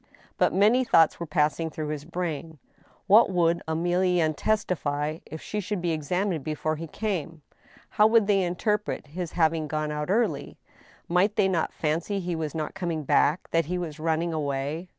But many thoughts were passing through his brain. What would Emilienne testify if she should be examined before he came ? How would they interpret his having gone out early ? Might they not fancy he was not coming back—that he was running away